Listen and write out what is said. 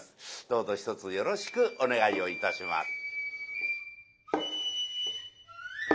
どうぞひとつよろしくお願いをいたします。